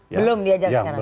belum diajak sekarang